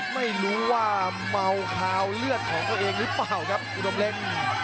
ไม่รู้ว่าเมาคาวเลือดของตัวเองหรือเปล่าครับอุดมเล็ก